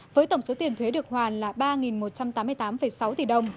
với tổng số tiền thuế được hoàn là ba một trăm tám mươi tám sáu tỷ đồng